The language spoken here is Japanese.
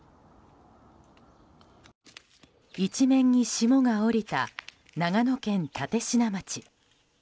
一面に霜が降りた長野県立科町。